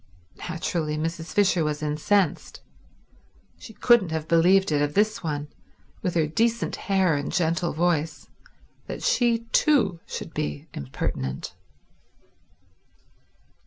Naturally, Mrs. Fisher was incensed. She couldn't have believed it of this one, with her decent hair and gentle voice, that she too should be impertinent.